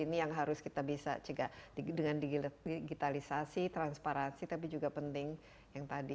ini yang harus kita bisa cegah dengan digitalisasi transparansi tapi juga penting yang tadi